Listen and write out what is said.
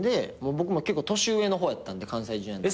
僕も結構年上の方やったんで関西Ｊｒ．の中で。